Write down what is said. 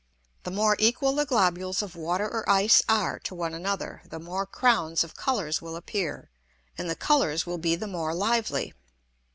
The more equal the globules of Water or Ice are to one another, the more Crowns of Colours will appear, and the Colours will be the more lively.